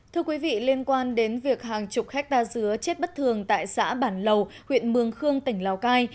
thưa quý vị liên quan đến việc hàng chục hectare dứa chết bất thường tại xã bản lầu huyện mường khương tỉnh lào cai